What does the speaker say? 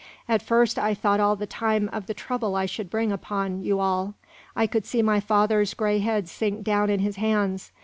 At first I thought all the time of the trouble I should bring upon you all. I could see my father's gray head sink down in his hands.